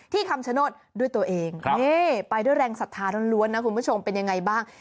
คำชโนธด้วยตัวเองนี่ไปด้วยแรงศรัทธาล้วนนะคุณผู้ชมเป็นยังไงบ้าง